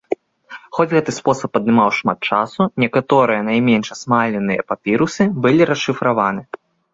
Хоць гэты спосаб адымаў шмат часу, некаторыя найменш асмаленыя папірусы былі расшыфраваны.